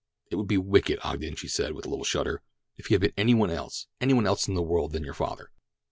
"It would be wicked, Ogden," she said with a little shudder. "If he had been any one else—any one else in the world than your father!"